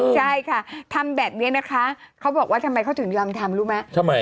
ใช่ค่ะทำแบบนี้นะคะเขาบอกว่าทำไมเขาถึงยอมทำรู้ไหม